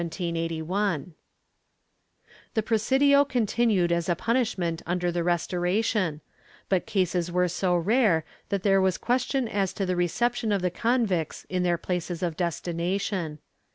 ^ The presidio continued as a punishment under the Restoration, but cases were so rare that there was question as to the reception of the convicts in their places of destination.